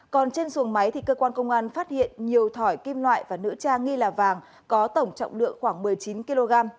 còn trên xuồng máy cơ quan công an phát hiện nhiều thỏi kim loại và nữ trang nghi là vàng có tổng trọng lượng khoảng một mươi chín kg